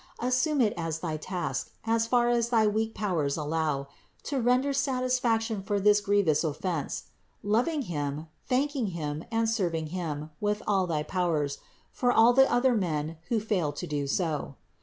Assume it as thy task, as far as thy weak powers allow, to render satisfaction for this grievous offense: loving Him, thanking Him and serving Him with all thy powers, for all the other men who fail to do so.